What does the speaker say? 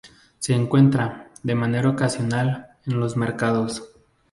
Se encuentra, de manera ocasional, en los mercados.